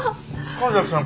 神崎さん